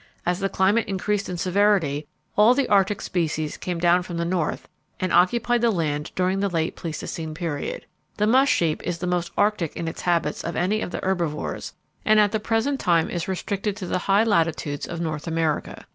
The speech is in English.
As the climate increased in severity all the arctic species came down from the north and occupied the land during the late Pleistocene period. The musk sheep is the most arctic in its habits of any of the herbivores, and at the present time is restricted to the high latitudes of North America.